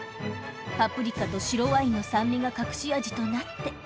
パプリカと白ワインの酸味が隠し味となって。